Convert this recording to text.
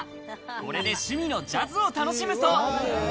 これで趣味のジャズを楽しむそう。